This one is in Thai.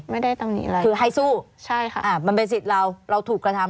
ตำหนิอะไรคือให้สู้ใช่ค่ะอ่ามันเป็นสิทธิ์เราเราถูกกระทำ